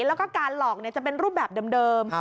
แล้วก็การหลอกจะเป็นรูปแบบเดิม